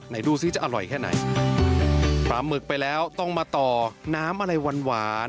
ดูซิจะอร่อยแค่ไหนปลาหมึกไปแล้วต้องมาต่อน้ำอะไรหวานหวาน